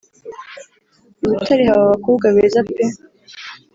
“I Butare haba abakobwa beza pe